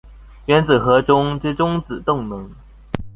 原子核中之中子動能